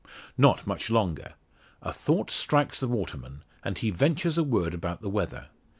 Not much longer. A thought strikes the waterman, and he ventures a word about the weather.